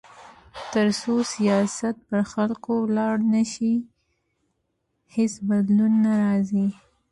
تر څو سیاست پر خلکو ولاړ نه شي، هیڅ بدلون نه راځي.